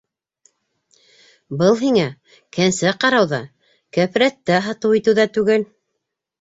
Был һиңә кәнсә ҡарау ҙа, кәпрәттә һатыу итеү ҙә түгел.